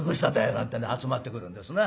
なんてんで集まってくるんですな。